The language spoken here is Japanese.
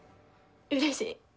うれしい。